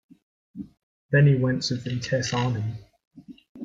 Then he went to Vitesse Arnhem.